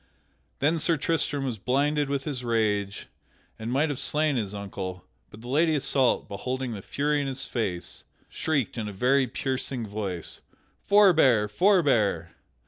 Then Sir Tristram was blinded with his rage and might have slain his uncle, but the Lady Isoult, beholding the fury in his face, shrieked in a very piercing voice, "Forbear! Forbear!"